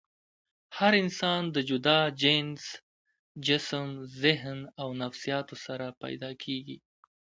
هر انسان د جدا جينز ، جسم ، ذهن او نفسياتو سره پېدا کيږي